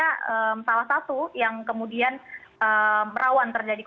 kalau bansos kami sudah berulang kali mendorong kementerian sosial untuk lukis